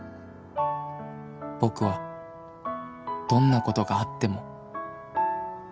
「僕はどんなことがあっても」